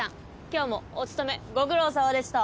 今日もお勤めご苦労さまでした。